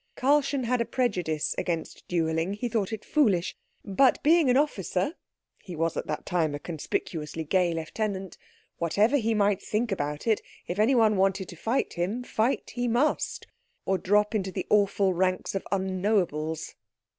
Karlchen had a prejudice against duelling; he thought it foolish. But, being an officer he was at that time a conspicuously gay lieutenant whatever he might think about it, if anyone wanted to fight him fight he must, or drop into the awful ranks of Unknowables.